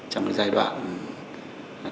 trong giai đoạn năm g